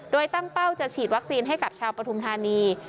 โดยตั้งเป้าจะฉีดวัคซีนให้กับชาวปฐุมธานี